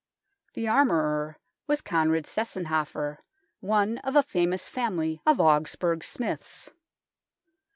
The armourer was Conrad Seusenhofer, one of a famous family of Augsburg smiths.